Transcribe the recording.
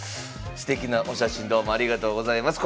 すてきなお写真どうもありがとうございます。